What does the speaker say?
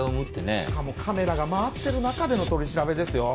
しかもカメラが回ってる中での取り調べですよ。